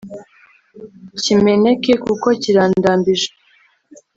kimeneke kuko kirandambije